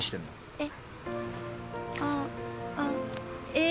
えっ。